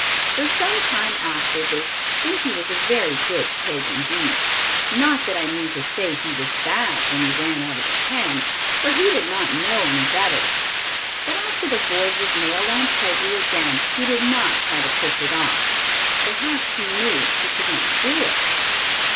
For some time after this Squinty was a very good pig, indeed. Not that I mean to say he was bad when he ran out of the pen, for he did not know any better. But, after the board was nailed on tightly again, he did not try to push it off. Perhaps he knew he could not do it.